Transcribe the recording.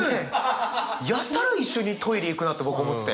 やたら一緒にトイレ行くなって僕思ってて。